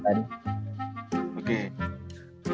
kayak kelly gitu kan